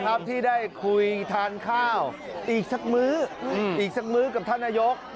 ครับที่ได้คุยทานข้าวอีกสักมื้ออีกสักมื้อกับท่านนายก